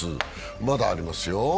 まだありますよ。